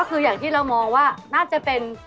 ก็คืออย่างที่เรามองว่าน่าจะเป็น